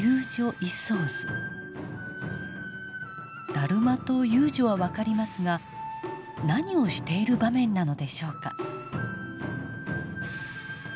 達磨と遊女は分かりますが何をしている場面なのでしょうか？